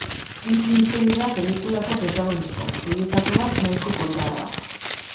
Bi printze dira pelikulako protagonistak, horietako bat nahiko koldarra.